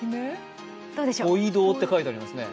五位堂って書いてありますね。